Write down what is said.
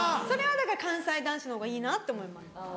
それはだから関西男子のほうがいいなって思います。